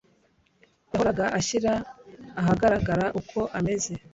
Yahoraga ashyira ahagaragara uko ameze.